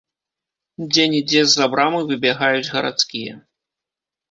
Дзе-нідзе з-за брамы выбягаюць гарадскія.